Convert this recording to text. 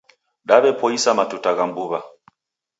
Daw'epoisa matuta gha mbuw'a